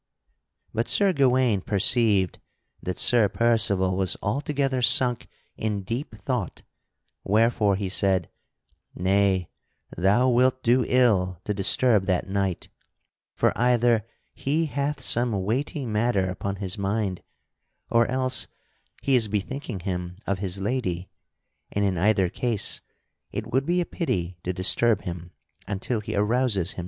But Sir Gawaine perceived that Sir Percival was altogether sunk in deep thought, wherefore he said: "Nay, thou wilt do ill to disturb that knight; for either he hath some weighty matter upon his mind, or else he is bethinking him of his lady, and in either case it would be a pity to disturb him until he arouses himself."